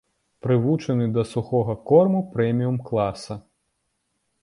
Прывучаны да сухога корму прэміум-класа.